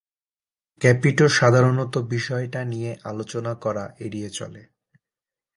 ক্যাপিটো সাধারণত বিষয়টা নিয়ে আলোচনা করা এড়িয়ে চলে।